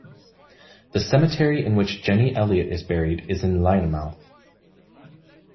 The cemetery in which Jenny Elliot is buried is in Lynemouth.